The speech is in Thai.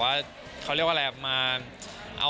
มันไปในทิศธิธารเดียวกันเราก็เลยสบายใจ